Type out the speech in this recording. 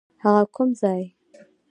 هغه کوم ځای؟